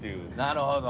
なるほど。